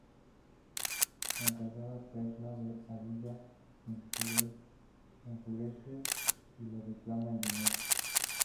La encargada, Perla de Ávila, enfurece y le reclama el dinero.